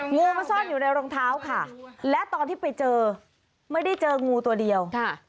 งูมาซ่อนอยู่ในรองเท้าค่ะและตอนที่ไปเจอไม่ได้เจองูตัวเดียวค่ะ